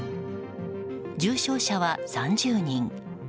重症者は３０人。